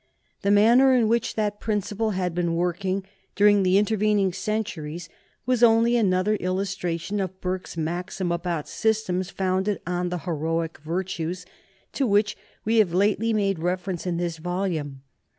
The manner in which that principle had been working during the intervening centuries was only another illustration of Burke's maxim about systems founded on the heroic virtues to which we have lately made reference in this volume.